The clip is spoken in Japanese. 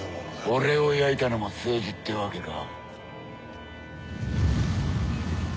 俺を焼いたのも政治ってわけか。